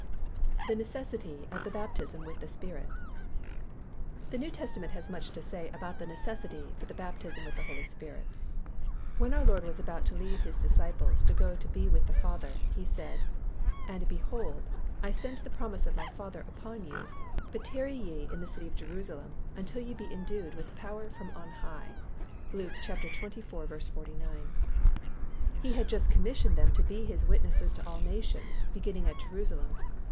_ THE NECESSITY OF THE BAPTISM WITH THE SPIRIT. The New Testament has much to say about the necessity for the baptism with the Holy Spirit. When our Lord was about to leave His disciples to go to be with the Father, He said, "And, behold, I send the promise of My Father upon you: but tarry ye in the city of Jerusalem, until ye be endued with power from on high" (Luke xxiv. 49). He had just commissioned them to be His witnesses to all nations, beginning at Jerusalem (vs.